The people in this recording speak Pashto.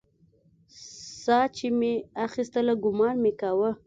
ساه چې مې اخيستله ګومان مې کاوه.